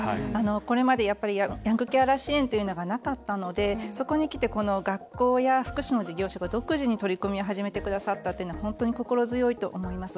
これまで、やっぱりヤングケアラー支援というのがなかったのでそこにきて学校や福祉の事業所が独自に取り組みを始めてくださったっていうのは本当に心強いと思います。